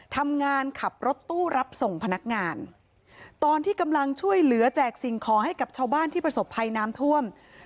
ทำงานขับรถตู้รับส่งพนักงานตอนที่กำลังช่วยเหลือแจกสิ่งขอให้กับชาวบ้านที่ประสบภัยน้ำท่วม